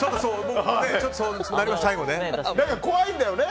怖いんだよね。